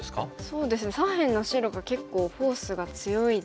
そうですね左辺の白が結構フォースが強いですね。